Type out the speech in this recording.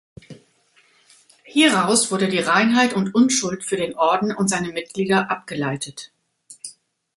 Hieraus wurde die Reinheit und Unschuld für den Orden und seine Mitglieder abgeleitet.